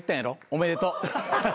おめでとう。